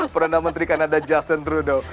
perdana menteri kanada juston trudeau